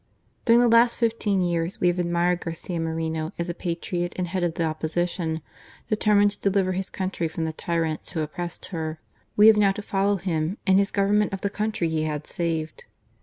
During the last fifteen years we have admired Garcia Moreno as a patriot and head of the Opposi tion, determined to deliver his country from the tyrants who oppressed her. We have now to follow him in his government of the country he had saved.